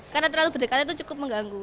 karena terlalu berdekatan itu cukup mengganggu